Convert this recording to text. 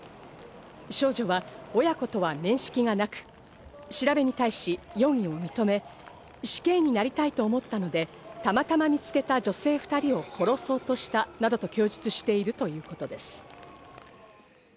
少女は親子と面識がなく、調べに対し容疑を認め、死刑になりたいと思ったのでたまたま見つけた女性２人を殺そうとした。などと供述しているということです。